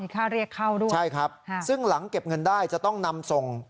ค่าเรียกเข้าด้วยใช่ครับซึ่งหลังเก็บเงินได้จะต้องนำส่ง